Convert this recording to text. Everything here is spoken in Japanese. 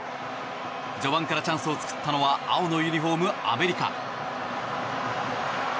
序盤からチャンスを作ったのは青のユニホーム、アメリカ。